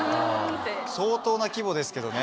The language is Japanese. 相当な規模ですけどね。